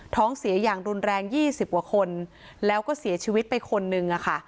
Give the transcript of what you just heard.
เสียอย่างรุนแรง๒๐กว่าคนแล้วก็เสียชีวิตไปคนนึงอะค่ะ